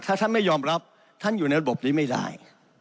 ถ้าท่านไม่ยอมรับท่านอยู่ในระบบนี้ไม่ได้